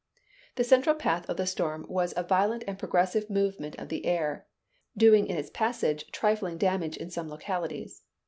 The central path of the storm was a violent and progressive movement of the air, doing in its passage trifling damage in some localities.